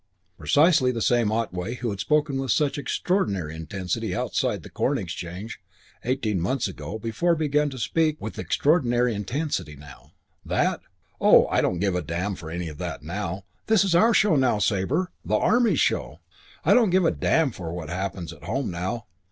Precisely the same Otway who had spoken with such extraordinary intensity outside the Corn Exchange eighteen months before began to speak with extraordinary intensity now. "That? Oh, I don't give a damn for any of that now. This is our show now, Sabre. The Army's show. I don't give a damn for what happens at home now.